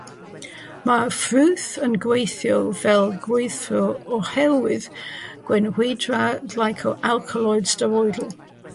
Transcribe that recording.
Mae'r ffrwyth yn gweithio fel gwrthyrrwr oherwydd gwenwyndra'r glycoalcaloid steroidal